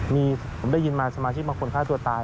มีผมได้ยินมาสมาชิกบางคนฆ่าตัวตาย